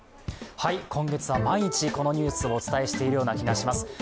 今月は毎日このニュースをお伝えしているような気がします。